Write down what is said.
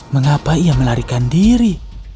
mengapa ia melarikan diri